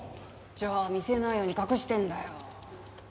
じゃあ見せないように隠してんだよ。